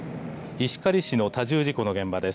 石狩市の多重事故の現場です。